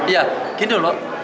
ya gini loh